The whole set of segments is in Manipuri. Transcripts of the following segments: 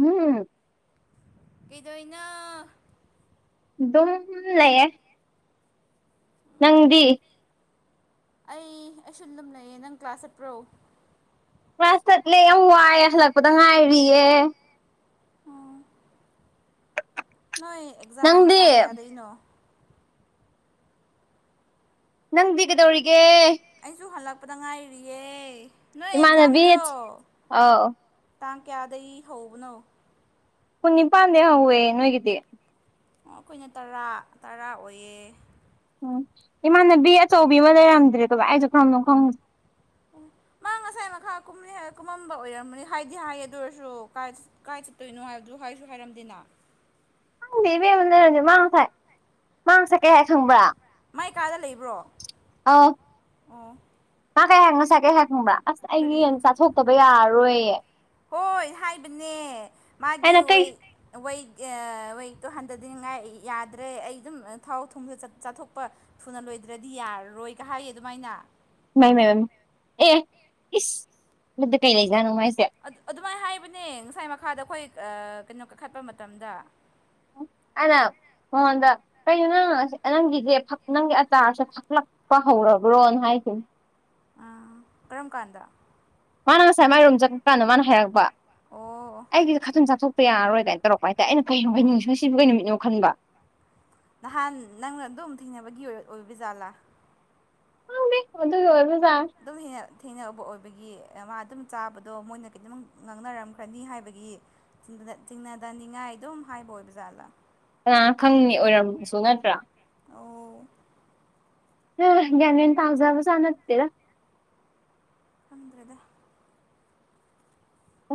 ꯎꯝ ꯀꯩꯗꯅ ꯑꯗꯨꯝ ꯂꯩꯌꯦꯦ ꯅꯪꯗꯤ ꯑꯩ ꯑꯩꯁꯨ ꯂꯨꯝ ꯂꯩꯑꯦ ꯅꯪ ꯀ꯭ꯂꯥꯁ ꯆꯠꯄ꯭ꯔꯣ ꯀ꯭ꯂꯥꯁ ꯆꯠꯂꯦ ꯌꯥꯝ ꯋꯥꯏꯑꯦ ꯍꯜꯂꯛꯄꯗ ꯉꯥꯏꯔꯤꯌꯦ ꯑꯣ ꯅꯣꯏ ꯑꯦꯛꯖꯥꯝ ꯅꯪꯗꯤ ꯇꯥꯡ ꯀꯌꯥꯗꯅꯣ ꯅꯪꯗꯤ ꯀꯩꯗꯧꯔꯤꯒꯦ ꯑꯩꯁꯨ ꯍꯜꯂꯛꯄꯗ ꯉꯥꯏꯔꯤꯌꯦ ꯅꯣꯏ ꯏꯃꯥꯅꯕꯤꯆ ꯑꯥꯎ ꯇ ꯀꯌꯥꯗꯩ ꯍꯧꯕꯅꯣ ꯀꯨꯟ ꯅꯤꯄꯥꯟꯗꯤ ꯍꯧꯋꯦ ꯅꯣꯏꯒꯤꯗꯤ ꯑꯣ ꯑꯩꯈꯣꯏꯅ ꯇꯔꯥ ꯇꯔꯥ ꯑꯣꯏꯌꯦ ꯎꯝ ꯏꯃꯥꯟꯅꯕꯤ ꯑꯆꯧꯕꯤ ꯑꯃ ꯂꯩꯔꯝꯗ꯭ꯔꯦꯗꯕ ꯑꯩꯁꯨ ꯈꯔꯝꯗꯧ ꯈꯪꯉꯦ ꯎ ꯃꯥ ꯉꯁꯥꯏ ꯃꯈꯥ ꯀꯨꯝꯃꯝꯕ ꯑꯣꯏꯔꯝꯕꯅꯤ ꯍꯥꯏꯗꯤ ꯍꯥꯏꯌꯦ ꯑꯗꯨ ꯑꯣꯏꯔꯁꯨ ꯀꯥꯏ ꯀꯥꯏ ꯆꯠꯇꯣꯏꯅꯣ ꯍꯥꯏꯕꯗꯨ ꯍꯥꯏ ꯀꯁꯨ ꯍꯥꯏꯔꯝꯗꯦꯅ ꯈꯪꯗꯦꯕꯦꯝꯕꯅꯔꯅꯦ ꯃꯥꯡꯁꯥꯏ ꯃꯥꯡ ꯉꯁꯥꯏ ꯀꯩ ꯍꯥꯏ ꯈꯪꯕ꯭ꯔꯥ ꯃꯥꯏ ꯀꯥꯗ ꯂꯩꯕ꯭ꯔꯣ ꯑ ꯑꯥ ꯉ ꯀꯩꯍꯥꯛ ꯉꯁꯥꯏ ꯀꯩꯍꯥꯛ ꯈꯪꯕ꯭ꯔ ꯑꯁ ꯑꯩ ꯀꯔꯤ ꯌꯦꯅ ꯆꯥꯊꯣꯛꯇꯕ ꯌꯥꯔꯣꯏꯌꯦ ꯍꯣꯏ ꯍꯥꯏꯕꯅꯦ ꯃꯥꯒꯤ ꯑꯩꯅ ꯀꯩ ꯋꯦꯛꯇꯣ ꯍꯟꯊꯗꯤꯅꯤꯡꯉꯥꯏ ꯌꯥꯗ꯭ꯔꯦ ꯑꯩ ꯑꯗꯨꯝ ꯊꯥꯎ ꯊꯨꯝꯁꯨ ꯆꯥꯊꯣꯛꯄ ꯊꯨꯅ ꯂꯣꯏ ꯍꯥꯏꯗ꯭ꯔꯗꯤ ꯌꯥꯔꯔꯣꯏ ꯀ ꯍꯥꯏꯌꯦ ꯑꯗꯨꯃꯥꯏꯅ ꯃꯥꯏ ꯃꯥꯏ ꯑꯦ ꯏꯁ ꯑꯗꯨꯗ ꯀꯩ ꯂꯩꯖꯥꯅꯅꯨꯡꯉꯥꯏꯁ ꯑꯗꯨꯃꯥꯏꯅ ꯍꯥꯏꯕꯅꯦ ꯉꯁꯥꯏ ꯃꯈꯥꯗ ꯑꯩꯈꯣꯏ ꯀꯩꯅꯣ ꯀꯥꯈꯠꯄ ꯃꯇꯝꯗ ꯑꯔ ꯃꯉꯣꯟꯗ ꯀꯩꯅꯣ ꯅꯪꯁ ꯅꯪꯒꯤꯁꯦ ꯅꯪꯒꯤ ꯑꯆꯥꯔꯁꯦ ꯐꯛꯂꯛꯄ ꯍꯧꯔꯕ꯭ꯔꯣꯅ ꯍꯥꯏ ꯣ ꯎ ꯀꯔꯝ ꯀꯥꯟꯗ ꯃꯥꯅ ꯉꯁꯥꯏ ꯃꯥꯏ ꯔꯨꯝꯝ ꯆꯠꯄ ꯀꯥꯟꯅꯣ ꯃꯥꯅ ꯍꯥꯏꯔꯛꯄ ꯑꯣ ꯑꯩꯒꯤꯁꯨ ꯈꯊꯤꯟ ꯆꯥꯊꯣꯛꯄ ꯌꯥꯔꯔꯣꯏꯗꯥꯏꯅ ꯇꯧꯔꯛꯄ ꯍꯥꯏꯦ ꯑꯩꯅ ꯀꯩꯅꯣ ꯍꯥꯏ ꯑꯣ ꯅꯤꯡꯁꯤꯡꯁꯤꯕꯒꯤ ꯅꯨꯃꯤꯠꯅꯣ ꯈꯟꯕ ꯅꯍꯥꯟ ꯅꯪꯅ ꯑꯗꯨꯝ ꯊꯦꯡꯅꯕꯒꯤ ꯑꯣꯏ ꯑꯣꯏꯕ ꯖꯥꯠꯂꯥ ꯍꯅꯦꯣ ꯑꯗꯨꯝ ꯊꯦꯡꯅꯕ ꯑꯣꯏ ꯑꯩꯒꯤ ꯃꯥ ꯑꯗꯨꯝ ꯆꯥꯕꯗꯣ ꯃꯣꯏꯅ ꯇ ꯉꯥꯡꯅꯔꯝꯈ꯭ꯔꯅꯤ ꯍꯥꯏꯕꯒꯤ ꯆꯤꯡ ꯆꯅꯤꯡꯉꯥꯏ ꯑꯗꯨꯝ ꯍꯥꯏꯕꯣꯏ ꯖꯥꯠꯂ ꯀꯅꯥꯅ ꯈꯪꯅꯤ ꯑꯣꯏꯔꯝꯁꯨ ꯅꯠꯇ꯭ꯔꯥ ꯑ ꯍ ꯅꯦꯦꯟ ꯇꯥꯎꯖꯕꯁꯅ ꯇꯔ ꯍꯪꯗ꯭ꯔꯗ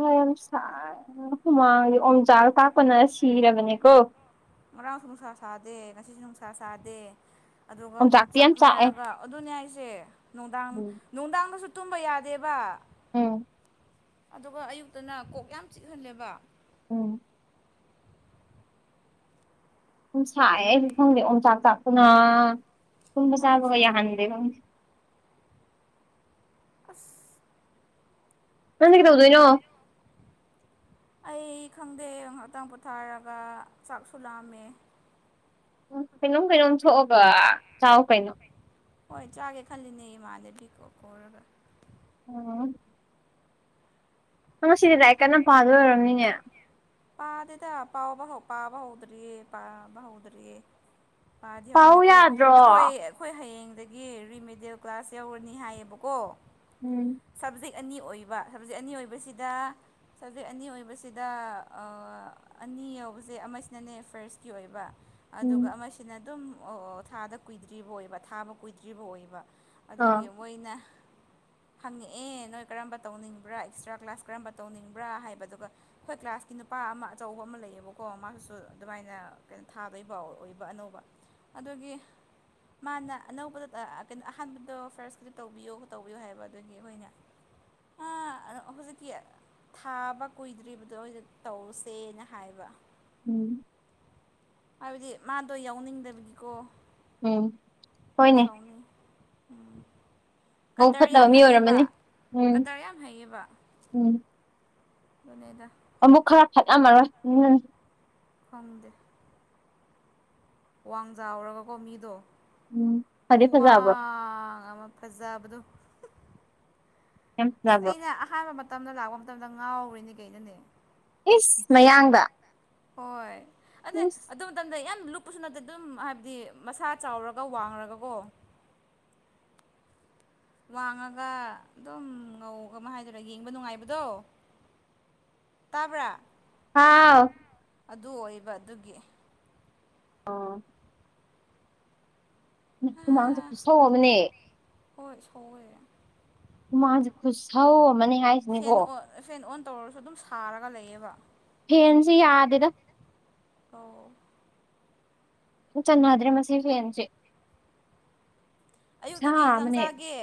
ꯑ ꯌꯥꯝ ꯁꯥꯏꯅ ꯍꯨꯃꯥꯡ ꯑꯣꯝꯖꯥ ꯀꯥꯛꯄꯅ ꯁꯤꯔꯕꯅꯦꯀꯣ ꯉꯥꯡꯁꯨ ꯅꯨꯡꯁꯥ ꯁꯥꯗꯦ ꯉꯁꯤꯁꯨ ꯅꯨꯡꯁꯥ ꯁꯥꯗꯦ ꯑꯗꯨꯒ ꯎ ꯑꯣꯝꯆꯥꯛꯇꯤ ꯌꯥꯝ ꯆꯥꯛꯑꯦ ꯆꯥꯛꯅꯔꯒ ꯑꯗꯨꯅꯦ ꯑꯩꯁꯦ ꯅꯨꯡꯗꯥꯡ ꯎꯝ ꯅꯨꯡꯗꯥꯡꯗꯁꯨ ꯇꯨꯝꯕ ꯌꯥꯗꯦꯕ ꯎꯝ ꯑꯗꯨꯒ ꯑꯌꯨꯛꯇꯅ ꯀꯣꯛ ꯌꯥꯝ ꯆꯤꯛꯍꯜꯂꯦꯕ ꯎꯝ ꯎꯨꯝꯁꯥꯏ ꯑꯩꯗꯤ ꯐꯪꯗꯦ ꯑꯣꯣꯡꯆꯥꯛ ꯆꯥꯛꯇꯅ ꯇꯕ ꯍꯣꯏ ꯁꯕꯒ ꯌꯥ ꯁꯥꯏ ꯍꯦꯕ ꯑꯁ ꯅꯪꯗꯤ ꯁꯥꯕꯅ ꯀꯩꯗꯧꯗꯣꯏꯅꯣ ꯑꯩ ꯈꯪꯗꯦ ꯉꯍꯥꯛꯇꯥꯡ ꯄꯣꯊꯥꯔꯒ ꯆꯥꯛꯁꯨ ꯂꯥꯝꯃꯦ ꯎꯝ ꯀꯩꯅꯣꯝ ꯀꯩꯅꯣꯝ ꯊꯣꯛꯑꯒ ꯆꯥꯎ ꯀꯩꯅꯣ ꯍꯣꯏ ꯆꯥꯒꯦ ꯈꯜꯂꯤꯅꯦ ꯏꯃꯥꯟꯅꯕꯤꯀꯣ ꯈꯧꯔꯒ ꯎꯝ ꯉꯁꯤꯗꯤ ꯂꯗꯥ ꯀꯟꯅ ꯄꯥꯗꯣꯏ ꯑꯣꯏꯔꯝꯅꯤꯅꯦ ꯄꯥꯗꯗ ꯄꯥꯎꯕꯕ ꯄꯥꯎꯕ ꯍꯎꯗ꯭ꯔꯤ ꯄꯥꯕ ꯍꯎꯗ꯭ꯔꯤ ꯄꯥꯗꯤ ꯄꯥꯎ ꯍꯧꯔꯅꯦ ꯑꯩꯈꯣꯏ ꯌꯥꯗ꯭ꯔꯣ ꯑꯩꯈꯣꯏ ꯑꯩꯈꯣꯏ ꯍꯌꯦꯡ ꯑꯗꯒꯤ ꯔꯤꯃꯤꯗꯦꯜ ꯀ꯭ꯂꯥꯁ ꯌꯧꯔꯅꯤ ꯍꯥꯏꯌꯦꯕꯀꯣ ꯎꯝ ꯁꯕꯖꯦꯛ ꯑꯅꯤ ꯑꯣꯏꯕ ꯁꯕꯖꯦꯛ ꯑꯅꯤ ꯑꯣꯏꯕꯁꯤꯗ ꯁꯕꯖꯦꯛ ꯑꯅꯤ ꯑꯣꯏꯕꯁꯤꯗ ꯑꯅꯤ ꯌꯧꯕꯁꯦ ꯑꯃꯁꯤꯅꯅꯦ ꯐꯔꯁꯀꯤ ꯑꯣꯏꯕ ꯎꯝ ꯑꯗꯨꯒ ꯑꯃꯁꯤꯅ ꯑꯗꯨꯝ ꯊꯥꯗ ꯀꯨꯏꯗ꯭ꯔꯤꯕ ꯑꯣꯏꯕ ꯊꯥꯕ ꯀꯨꯏꯗ꯭ꯔꯤꯕ ꯑꯣꯏꯕ ꯑꯥ ꯑꯗꯨꯒꯤ ꯃꯣꯏꯅ [unintelligible] ꯍꯪꯉꯛꯑꯦ ꯅꯣꯏ ꯀꯔꯝꯕ ꯇꯧꯅꯤꯡꯕ꯭ꯔꯥ ꯑꯦꯛꯁꯇ꯭ꯔꯥ ꯀ꯭ꯂꯥꯁ ꯀꯔꯝꯕ ꯇꯧꯅꯤꯡꯕ꯭ꯔꯥ ꯍꯥꯏꯕꯗꯨꯒ ꯑꯩꯈꯣꯏ ꯀ꯭ꯂꯥꯁ ꯅꯨꯄꯥ ꯑꯃ ꯑꯆꯧꯕ ꯑꯃ ꯂꯩꯌꯦꯕꯀꯣ ꯃꯥꯁꯤꯁꯨ ꯑꯗꯨꯃꯥꯏꯅ ꯀꯩꯅꯣ ꯊꯥꯗꯣꯏꯕ ꯑꯣꯏꯕ ꯑꯅꯧꯕ ꯑꯗꯨꯒꯤ ꯃꯥꯅ ꯑꯅꯧꯕꯗ ꯀꯩꯅꯣ ꯑꯍꯥꯟꯕꯗꯣ ꯐꯥꯔꯁꯀꯤꯗꯤ ꯇꯧꯕꯤꯌꯣ ꯇꯧꯕꯤꯌꯣ ꯍꯥꯏꯕ ꯑꯗꯨꯒꯤ ꯍꯣꯏꯅꯦ ꯑ ꯍꯧꯖꯤꯛꯀꯤ ꯊꯥꯕ ꯀꯨꯏꯗ꯭ꯔꯤꯕꯗꯣ ꯑꯩꯗꯛ ꯇꯧꯁꯦꯅ ꯍꯥꯏꯕ ꯎꯝ ꯍꯥꯏꯕꯗꯤ ꯃꯥꯗꯣ ꯌꯥꯎꯅꯤꯡꯗꯕꯒꯤꯀꯣ ꯎꯝ ꯍꯅꯦ ꯎꯝ ꯀꯇꯔ ꯐꯠꯇꯕ ꯌꯥꯝ ꯃꯤ ꯍꯩꯌꯦꯕ ꯑꯣꯏꯔꯝꯃꯅꯤ ꯎꯝ ꯀꯇꯔ ꯌꯥꯝ ꯍꯩꯌꯦꯕ ꯎꯝ ꯃꯅꯦꯗ ꯑꯃꯨꯛ ꯈꯔ ꯐꯠꯃꯔꯣꯏ ꯎꯝ ꯐꯪꯗ ꯋꯥꯡꯖꯥꯎꯔꯒꯀꯣ ꯃꯤꯗꯣ ꯎꯝ ꯐꯗꯤ ꯐꯖꯕ꯭ꯔꯣ ꯈꯨꯨꯋꯥꯡ ꯑꯃ ꯐꯖꯥꯗꯨ ꯌꯥꯝ ꯑꯁ ꯐꯖꯕ꯭ꯔꯣ ꯑꯩꯅ ꯑꯍꯥꯟꯕ ꯃꯇꯝꯗ ꯂꯥꯛꯄ ꯃꯇꯝꯗ ꯉꯥꯎꯔꯤꯅꯦ ꯀꯩꯅꯅꯦ ꯏꯁ ꯃꯌꯥꯡꯗ ꯍꯣꯏ ꯑꯗ ꯏꯁ ꯑꯗꯨꯝ ꯇꯗ ꯌꯥꯝ ꯂꯨꯞꯄꯁꯨ ꯅꯠꯇꯦ ꯑꯗꯨꯝ ꯍꯥꯏꯕꯗꯤ ꯃꯁꯥ ꯆꯥꯎꯔꯒ ꯋꯥꯡꯔꯒꯀꯣ ꯋꯥꯡꯉꯒ ꯑꯗꯨꯝ ꯉꯧ ꯑꯃ ꯍꯥꯏꯗꯔꯥ ꯌꯦꯡꯕ ꯅꯨꯡꯉꯥꯏꯕꯗꯣ ꯇꯥꯕ꯭ꯔꯥ ꯍꯥꯎ ꯑꯗꯨ ꯑꯣꯏꯕ ꯑꯗꯨꯒꯤ ꯑꯥ ꯍꯃꯥꯡꯁꯦ ꯈꯨꯠꯁꯧꯑꯕꯅꯦ ꯍꯣꯏ ꯁꯣꯛꯋꯦꯦ ꯃꯥ ꯈꯨ ꯁꯥꯥꯎ ꯃꯅꯤ ꯐꯦꯟ ꯑꯣ ꯐꯦꯟ ꯑꯣꯟ ꯇꯧꯔꯁꯨ ꯑꯗꯨꯝ ꯁꯥꯔꯒ ꯂꯩꯌꯦꯕ ꯐꯦꯟꯁꯤ ꯌꯥꯗꯗ ꯑꯣ ꯆꯅꯗ꯭ꯔꯦ ꯃꯁꯤ ꯐꯦꯟꯁꯦ ꯑꯌꯨꯛꯇ ꯁꯥ ꯀꯩ ꯌꯦꯟꯁꯥꯡ ꯆꯥꯒꯦ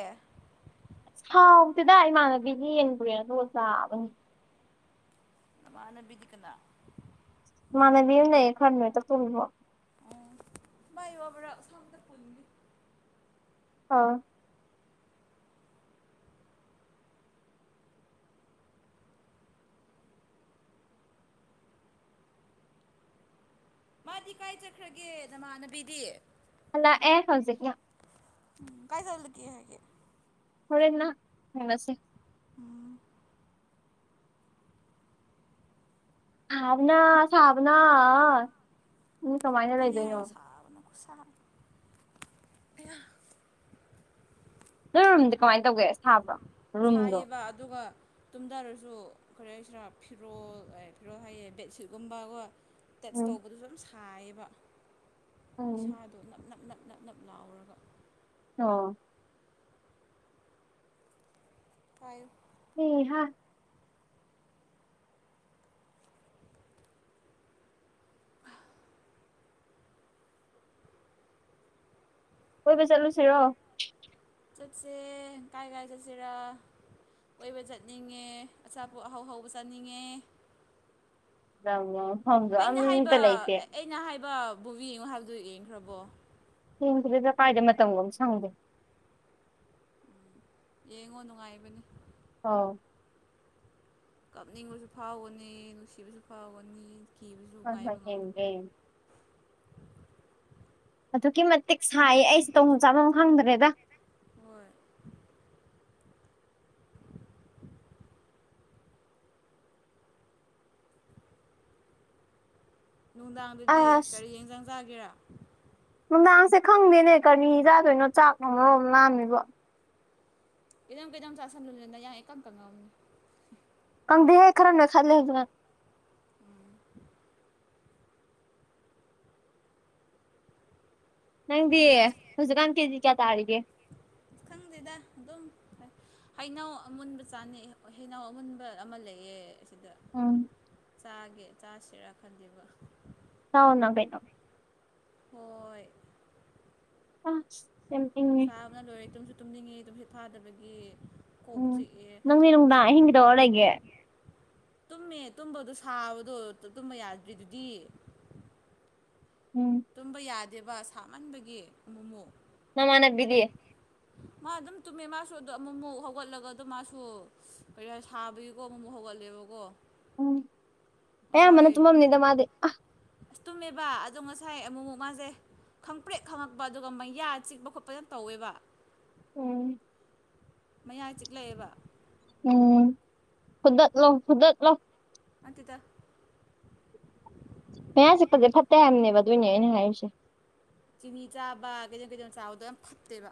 ꯃꯥꯎ ꯁꯤꯗ ꯏꯃꯥꯟꯅꯕꯤꯒꯤ ꯌꯦꯡꯗꯨꯔꯦ ꯑꯗꯣ ꯆꯥꯕꯅꯤ ꯅꯃꯅꯝꯕꯤꯗꯤꯀꯅ ꯃꯅ ꯃꯤꯝ ꯅ ꯑꯦꯈꯔꯅ ꯇ ꯄꯨꯕꯣ ꯑꯣ ꯃꯥꯏꯌꯕ꯭ꯔꯥ ꯁꯥꯡꯗ ꯄꯨꯅꯤ ꯑꯥ ꯃꯥꯗꯤ ꯀꯥꯏ ꯆꯠꯈ꯭ꯔꯒꯦ ꯅꯃꯥꯟꯅꯕꯤꯗꯤ ꯍꯜ ꯂꯥꯛꯑ ꯍꯧꯖꯤꯛꯅ ꯎꯝ ꯀꯥꯏ ꯆꯠꯂ ꯀ ꯍꯥꯏꯒ ꯍꯣꯔꯦꯟꯅ ꯐꯅꯁꯤ ꯎꯝ ꯁꯥꯕꯅ ꯁꯥꯕꯅ ꯅ ꯀꯃꯥꯏꯅ ꯑꯗꯨꯅꯦ ꯍꯥꯏ ꯂꯩꯗꯣꯏꯅꯣ [unintelligible] ꯅꯣꯏꯔꯣꯝꯗꯤ ꯀꯃꯥꯏꯅ ꯇꯧꯒꯦ ꯁꯥꯕ꯭ꯔꯣ ꯔꯨꯝꯗꯣ ꯁꯥꯏꯌꯦꯕ ꯑꯗꯨꯒ ꯇꯨꯝꯊꯔꯁꯨ ꯀꯔꯤ ꯍꯥꯏꯁꯤꯔꯥ ꯐꯤꯔꯣꯜ ꯐꯤꯔꯣꯜ ꯍꯥꯏꯌꯦ ꯕꯦꯠꯁꯤꯠꯀꯨꯝꯕꯀꯣ ꯇꯠꯆ ꯎꯝ ꯇꯧꯕꯗꯨꯁꯨ ꯌꯥꯝ ꯁꯥꯏꯌꯦꯕ ꯎꯝ ꯏꯁꯥꯗꯣ ꯅꯞ ꯅꯞ ꯅꯞ ꯅꯞ ꯅꯞ ꯂꯥꯎꯔꯒ ꯑ ꯍꯥꯏꯌ ꯍꯝ ꯍꯥ ꯀꯣꯏꯕ ꯆꯠꯂꯨꯁꯤꯔꯣ ꯆꯠꯁꯦ ꯀꯥꯏ ꯀꯥꯏ ꯆꯠꯁꯤꯔ ꯀꯕ ꯆꯠꯅꯤꯡꯉꯦ ꯑꯆꯥꯄꯣꯠ ꯑꯍꯥꯎ ꯍꯧꯕ ꯆꯠꯅꯤꯡꯉꯦ ꯑꯃ ꯑꯩꯅ ꯍꯥꯏꯕ ꯑꯩꯅ ꯍꯥꯏꯕ ꯕꯣꯕꯤ ꯌꯦꯡꯉꯣ ꯍꯥꯏꯕꯗꯨ ꯌꯦꯡꯈ꯭ꯔꯕꯣ ꯁꯤꯗꯗ ꯀꯥꯏꯗ ꯃꯇꯝꯒꯨꯝ ꯑꯃ ꯁꯪꯗꯦ ꯌꯦꯡꯉꯣ ꯅꯨꯡꯉꯥꯏꯕꯅꯤ ꯑꯥꯎ ꯀꯥꯞꯅꯤꯡꯕꯁꯨ ꯐꯥꯎꯒꯅꯤ ꯅꯨꯡꯁꯤꯕꯁꯨ ꯐꯥꯎꯒꯅꯤ ꯀꯤꯕꯁꯨ ꯍꯣꯏ ꯉꯥꯏꯕ ꯍꯣꯏ ꯌꯦꯡꯒꯦ ꯉꯝꯗꯕꯅꯤ ꯌꯦꯡꯒꯦ ꯑꯗꯨꯛꯀꯤ ꯃꯇꯤꯛ ꯁꯥꯏ ꯑꯩꯁꯦ ꯇꯣꯡꯐꯝ ꯆꯥꯐꯝ ꯈꯪꯗ꯭ꯔꯦꯗ ꯍꯣꯏ ꯅꯨꯡꯗꯥꯡꯗꯨꯗꯤ ꯑꯁ ꯀꯔꯤ ꯌꯦꯡꯖꯥꯡ ꯆꯥꯒꯦꯔꯥ ꯅꯨꯡꯗꯥꯡꯁꯦ ꯈꯪꯗꯦꯅꯦ ꯀꯔꯅꯤꯤ ꯆꯥꯗꯣꯏꯅꯣ ꯆꯥꯛ ꯑꯃꯣꯡꯔꯣꯝ ꯂꯥꯝꯃꯤꯕ ꯀꯗ ꯀꯗꯪ ꯑꯃꯁꯁꯅ ꯂ ꯂ ꯌꯥ ꯑꯦ ꯀꯝ ꯀ ꯗꯤ ꯌꯥꯦ ꯈꯔꯅ ꯈꯂ ꯑꯗꯨ ꯅꯪꯗꯤ ꯍꯩꯅꯧ ꯍꯧꯖꯤꯛꯀꯥꯟ ꯀꯦꯖꯤ ꯀꯌꯥ ꯇꯥꯔꯤꯒꯦ ꯍꯩꯩꯅꯎ ꯑꯃꯨꯟꯕ ꯆꯥꯅꯩ ꯍꯅꯥꯎ ꯑꯃꯨꯟꯕ ꯑꯃ ꯂꯩꯌꯦ ꯑꯁꯤꯗ ꯑꯝ ꯆꯥꯒꯦ ꯆꯥꯁꯤꯔꯥ ꯈꯟꯗꯦꯕ ꯑ ꯅꯪ ꯀꯩꯅꯅ ꯍꯣꯏ ꯑ ꯆꯥꯕꯅ ꯂꯣꯏꯔꯦ ꯇꯨꯝꯁꯨ ꯇꯨꯝꯅꯤꯡꯉꯦ ꯇꯨꯝꯁꯨ ꯊꯥꯗꯕꯒꯤ ꯎꯝ ꯅꯪꯗꯤ ꯅꯨꯡꯗꯥꯡ ꯑꯍꯤꯡꯒꯤꯗꯧꯔ ꯂꯩꯒꯦ ꯇꯨꯝꯃꯦ ꯇꯨꯝꯕꯗꯣ ꯁꯥꯕꯗꯣ ꯇꯨꯝꯕ ꯌꯥꯗ꯭ꯔꯤꯗꯨꯗꯤ ꯎꯝ ꯇꯨꯝꯕ ꯌꯥꯗꯦꯕ ꯁꯥꯞꯃꯟꯕꯒꯤ ꯑꯃꯨꯃꯨ ꯃꯥꯃꯥꯅꯕꯤꯗꯤ ꯃꯥ ꯑꯗꯨꯝ ꯇꯨꯝꯃꯦ ꯃꯥꯁꯨ ꯑꯗꯣ ꯑꯃꯨꯛꯃꯨꯛ ꯍꯧꯒꯠꯂꯒ ꯑꯗꯨꯝ ꯃꯥꯁꯨ ꯀꯔꯤ ꯁꯥꯕꯒꯤꯀꯣ ꯑꯃꯃꯨꯛ ꯍꯧꯒꯠꯂꯦꯕꯀꯣ ꯎꯝ ꯑꯌꯥꯝꯕꯅ ꯉꯁꯥꯏ ꯇꯨꯝꯃꯝꯅꯤꯗ ꯃꯥꯗꯤ ꯑ ꯑꯁ ꯇꯨꯝꯃꯦꯕ ꯑꯗꯣ ꯉꯁꯥꯏ ꯑꯃꯨꯛ ꯃꯨꯛ ꯃꯥꯁ‌ꯦ ꯈꯪꯄ꯭ꯔꯦꯛ ꯈꯪꯉꯛꯄ ꯑꯗꯨꯒ ꯃꯩꯌꯥ ꯆꯤꯛꯄ ꯈꯣꯠꯄꯗ ꯇꯧꯋꯦꯕ ꯎꯝ ꯃꯌꯥ ꯆꯤꯛꯂꯛꯑꯦꯕ ꯎꯝ ꯐꯨꯗꯠꯂꯣ ꯐꯨꯗꯠꯂꯣ ꯅꯥꯠꯇꯦꯗꯥ ꯃꯌꯥ ꯆꯤꯛꯄꯁꯦ ꯐꯠꯖꯇ‌ꯦ ꯍꯥꯏꯅꯦꯕ ꯑꯗꯨꯏꯅꯦ ꯑꯩꯅ ꯍꯥꯏꯔꯤꯁꯦ ꯆꯤꯅꯤ ꯆꯥꯕ ꯀꯩꯗ‌ꯣꯝ ꯀꯩꯗꯣ ꯆꯥꯕꯗꯣ ꯌꯥꯝ ꯐꯠꯇꯦꯕ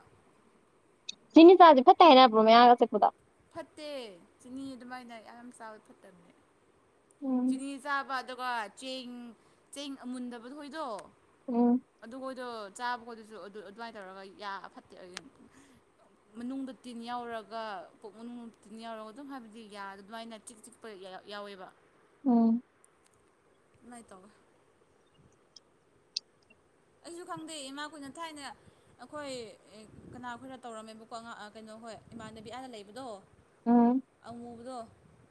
ꯆꯤꯅꯤ ꯆꯥꯕꯁꯦ ꯐꯠꯇ‌ꯦ ꯍꯥꯏꯅꯕ꯭ꯔꯣ ꯃꯌꯥꯒ ꯆꯤꯛꯄꯗ ꯐꯠꯇꯦ ꯆꯤꯅꯤ ꯑꯗꯨꯃꯥꯏꯅ ꯌꯥꯝ ꯆꯕ ꯐꯠꯇꯕꯅꯦ ꯎꯝ ꯆꯤꯅꯤ ꯆꯥꯕ ꯑꯗꯨꯒ ꯆꯦꯡ ꯆꯦꯡ ꯑꯃꯨꯟꯗꯕ ꯍꯣꯏꯗꯣ ꯎꯝ ꯑꯗꯨꯈꯣꯏꯗꯣ ꯆꯥꯕ ꯈꯣꯏꯗꯁꯨ ꯑꯗꯨ ꯑꯗꯨꯃꯥꯏꯅ ꯇꯧꯔꯒ ꯌꯥ ꯐꯠꯇꯦ ꯃꯅꯨꯡꯗ ꯇꯤꯟ ꯌꯥꯎꯔꯒ ꯄꯨꯛ ꯃꯅꯨꯡ ꯃꯨꯇꯤꯟ ꯌꯥꯎꯔꯒ ꯑꯗꯨꯝ ꯍꯥꯏꯕꯗꯤ ꯌꯥ ꯑꯗꯨꯃꯥꯏꯅ ꯆꯤꯛ ꯆꯤꯛꯄ ꯌꯥꯎꯋꯦꯕ ꯎꯝ ꯑꯗꯨꯃꯥꯏꯏ ꯇꯧꯕ ꯑꯩꯁꯨ ꯈꯪꯗꯦ ꯏꯃꯥ ꯈ‌ꯣꯏꯅ ꯊꯥꯏꯅ ꯑꯩꯈꯣꯏ ꯀꯅꯥ ꯈ‌ꯣꯏꯅ ꯇꯧꯔꯝꯃꯦꯕꯀꯣ ꯀꯩꯅꯣ ꯑꯍꯣꯏ ꯏꯃꯥꯟꯅꯕꯤ ꯑꯥꯗ ꯂꯩꯕꯗꯣ ꯎꯝ ꯑꯪꯉꯨꯕꯗꯣ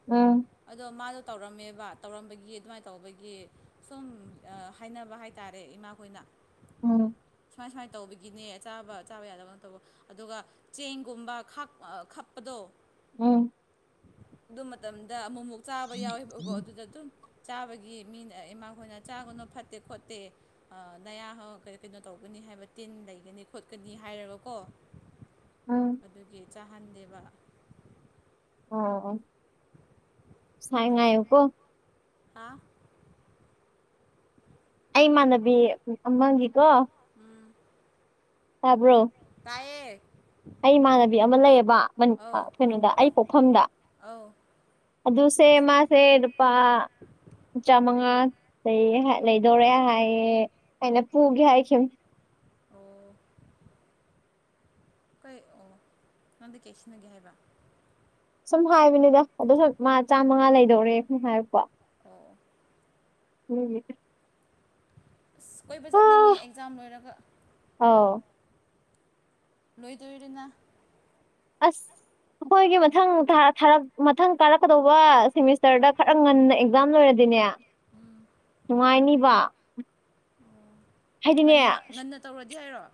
ꯎꯝ ꯑꯗꯣ ꯃꯥꯗꯣ ꯇꯧꯔꯝꯃꯦꯕ ꯇꯧꯔꯝꯕꯒꯤ ꯑꯗꯨꯃꯥꯏꯅ ꯇꯧꯕꯒꯤ ꯁꯨꯝ ꯍꯥꯏꯅꯕ ꯍꯥꯏꯇꯥꯔꯦ ꯏꯃꯥꯈꯣꯏꯅ ꯎꯝ ꯁꯨꯃꯥꯏ ꯁꯨꯃꯥꯏ ꯇꯧꯕꯒꯤꯅꯦ ꯆꯥꯕ ꯆꯥꯕ ꯌꯥꯗꯕ ꯇꯧꯕ ꯑꯗꯨꯒ ꯆꯦꯡꯒꯨꯝꯕ ꯈꯥꯛꯄ ꯈꯞꯄꯗꯣ ꯎꯝ ꯑꯗꯨ ꯃꯇꯝꯗ ꯑꯃꯨꯛꯃꯨꯛ ꯆꯥꯕ ꯌꯥꯎꯋꯦꯕꯀꯣ ꯑꯗꯨꯗ ꯑꯗꯨꯝ ꯆꯥꯕꯒꯤ ꯃꯤꯅ ꯏꯃꯥꯈꯣꯏꯅ ꯆꯥꯒꯅꯨ ꯐꯠꯇꯦ ꯈꯣꯠꯇꯦ ꯅꯌꯥ ꯀꯩꯅꯣ ꯇꯧꯒꯅꯤ ꯍꯥꯏꯕ ꯇꯤꯟ ꯂꯩꯒꯅꯤ ꯈꯣꯠꯀꯅꯤ ꯍꯥꯏꯔꯒꯀꯣ ꯎꯝ ꯑꯗꯨꯒꯤ ꯆꯥꯍꯟꯗꯦꯕ ꯑꯥ ꯑꯥ ꯁꯥꯏ ꯉꯥꯏꯑ‌ꯣ ꯀꯣ ꯍꯥ ꯑꯩꯃꯥꯟꯅꯕꯤ ꯑꯃꯥ ꯒꯤꯀꯣ ꯎꯝ ꯇꯥꯕ꯭ꯔꯣ ꯇꯥꯏꯌꯦ ꯑꯩ ꯏꯃꯥꯟꯅꯕꯤ ꯑꯃ ꯂꯩꯌꯦꯕ ꯃꯥꯏ ꯅꯨꯄꯥ ꯑꯧ ꯀꯩꯅꯣꯗ ꯑꯩ ꯄꯣꯛꯐꯝꯗ ꯑꯧ ꯑꯗꯨꯗꯨꯁ‌ꯦ ꯃꯥꯁꯦ ꯅꯨꯄꯥ ꯆꯥꯝꯃꯥꯉꯥ ꯂꯩ ꯂꯩꯗꯧꯔꯦ ꯍꯥꯏꯌꯦ ꯑꯩꯅ ꯄꯨꯒꯦ ꯍꯥꯏꯈꯤꯕꯅꯦ ꯑꯣ ꯀꯩ ꯑꯣ ꯅꯪ ꯗꯤ ꯀꯩ ꯁꯤꯖꯤꯟ ꯅꯥꯒꯦ ꯍꯥꯏꯕꯥ꯫ ꯁꯨꯝ ꯍꯥꯏꯕꯅꯤꯗ ꯑꯗꯨꯁꯨ ꯃꯥ ꯆꯥꯝꯃꯉꯥ ꯂꯩꯗꯧꯔꯦ ꯁꯨꯝ ꯍꯥꯏꯔꯛꯄꯥ ꯑꯣ ꯗꯨꯒꯤ ꯑꯁ ꯀꯣꯏꯕ ꯆꯠꯅꯤꯡꯉꯦ ꯑꯦꯛꯖꯥꯝ ꯂꯣꯏꯔꯒ ꯑꯧ ꯂꯣꯏ ꯗꯣꯔꯦ ꯗꯅꯥ ꯑꯁ ꯑꯩꯈꯣꯏꯒꯤ ꯃꯊꯪ ꯊꯥ ꯊꯥꯔꯛ ꯃꯊꯪ ꯀꯥꯔꯛꯀꯗꯧꯕ ꯁꯦꯝꯃꯤꯁꯇ꯭ꯔꯗ ꯈꯔ ꯉꯟꯅ ꯑꯦꯛꯖꯥꯝ ꯂꯣꯏꯔꯗꯤꯅꯦ ꯎꯝ ꯅꯨꯡꯉꯥꯏꯅꯤꯕ ꯍꯥꯏꯗꯤꯅꯦ ꯉꯟꯅ ꯉꯟꯅ ꯇꯧꯔꯗꯤ ꯍꯥꯏꯔꯣ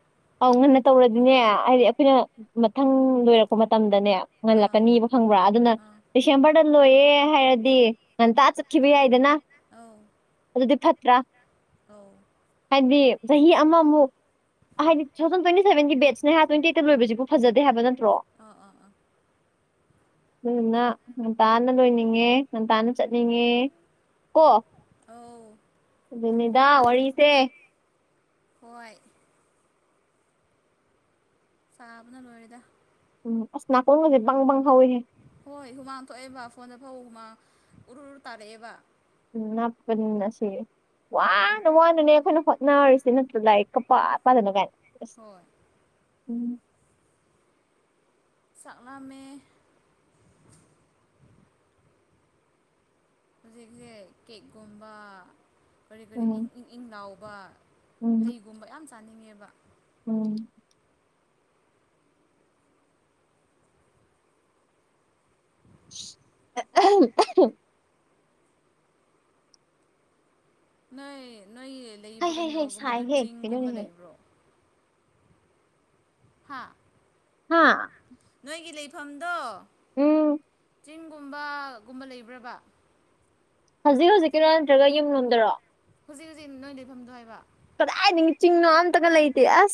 ꯑꯧ ꯉꯟꯅ ꯇꯧꯔꯗꯤꯅꯦ ꯍꯥꯏꯗꯤ ꯑꯩꯈꯣꯏꯅ ꯃꯊꯪ ꯂꯣꯏꯔꯛꯄ ꯃꯇꯝꯗꯅꯦ ꯑꯥ ꯉꯜꯂꯛꯀꯅꯤꯕ ꯈꯪꯕ꯭ꯔꯥ ꯑꯗꯨꯅ ꯑꯥ ꯗꯤꯁꯦꯝꯕ꯭ꯔꯗ ꯂꯣꯏꯌꯦ꯫ ꯍꯥꯏꯔꯗꯤ ꯉꯟꯇꯥ ꯆꯠꯈꯤꯕ ꯌꯥꯏꯗꯅ ꯑꯧ ꯑꯗꯨꯗꯤ ꯐꯠꯇ꯭ꯔꯥ ꯑꯨ ꯍꯥꯏꯗꯤ ꯆꯍꯤ ꯑꯃꯃꯨꯛ ꯍꯥꯏꯗꯤꯨ ꯊꯥꯎꯖꯟ ꯇ꯭ꯦꯟꯇꯤ ꯁꯚꯦꯟ ꯦꯠꯁꯅꯦ ꯍꯥꯏ ꯇ꯭ꯋꯇꯤ ꯑꯩꯠꯇ ꯂꯣꯏꯕꯁꯤꯕꯨ ꯐꯖꯗꯦ ꯍꯥꯏꯕꯅ ꯑꯥ ꯑꯥ ꯑꯥ ꯑꯗꯨꯅ ꯉꯟꯇꯥꯅ ꯂꯣꯏꯅꯤꯡꯉꯦ ꯉꯟꯇꯥꯅ ꯆꯠꯅꯤꯡꯉꯦ ꯑ ꯅꯤꯗꯥ ꯋꯥꯔꯤꯁꯦ ꯍꯣꯏ ꯁꯥꯕꯅ ꯂꯣꯏꯋꯗ ꯅꯅꯥ ꯀꯣꯡ ꯉꯖꯤꯦꯕ ꯍꯣꯏ ꯍꯨꯃꯥꯡ ꯊꯣꯛꯑꯦꯕ ꯐꯣꯟꯗ ꯐꯧ ꯍꯨꯃꯥꯡ ꯎꯔꯔ ꯇꯥꯔꯛꯑꯦꯕ ꯎ ꯅꯥꯞꯄꯟ ꯑꯁꯤ ꯍꯣꯏ ꯋꯥꯅ ꯋꯥꯅꯅꯦ ꯑꯩꯈꯣꯏꯅ ꯅꯅꯥꯁꯤ ꯅꯠꯇ ꯂꯥꯏ ꯀ ꯄ ꯄ ꯑꯗꯨꯅꯒꯥꯏꯅꯦ ꯍꯣꯏ ꯎꯝ ꯆꯛꯂꯝꯃꯦ ꯍꯧꯖꯤꯛꯁꯦ ꯀꯦꯛꯀꯨꯝꯕ ꯀꯔꯤ ꯀꯔꯤ ꯏꯪ ꯎꯝ ꯏꯪ ꯏꯪ ꯂꯥꯎꯕ ꯎꯝ ꯍꯩꯒꯨꯝꯕ ꯌꯥꯝ ꯆꯥꯅꯤꯡꯉꯦꯕ ꯎꯝ ꯑꯍꯝ ꯅꯣꯏ ꯅꯣꯏ ꯍꯩ ꯂꯩꯕ ꯍꯩ ꯍꯩ ꯀꯩꯅꯣꯒꯨꯝꯕꯗꯣ ꯁꯥꯏꯍꯦ ꯆꯤꯡꯒꯨꯝꯕ ꯀꯩꯅꯣꯅꯦꯍꯦ ꯂꯩꯕ꯭ꯔꯣ ꯍꯥꯥ ꯍꯥꯥ ꯑꯩꯒꯤ ꯂꯩꯐꯝꯗꯣ ꯎꯝ ꯆꯤꯡꯒꯨꯝꯕ ꯒꯨꯝꯕ ꯂꯩꯕ꯭ꯔꯕ ꯍꯧꯖꯤꯛ ꯍꯧꯖꯤꯛꯀꯤꯔꯣ ꯅꯠꯇ꯭ꯔꯒ ꯌꯨꯝ ꯌꯣꯝꯗꯔꯣ ꯍꯧꯖꯤꯛꯖꯤꯛ ꯅꯣꯏ ꯂꯩꯏꯐꯝꯗꯣ ꯍꯥꯏꯕ ꯀꯗ ꯍꯥꯏ ꯅꯤꯡ ꯆꯤꯡꯅꯣ ꯑꯃꯇꯥ ꯂꯩꯇꯦ ꯑꯁ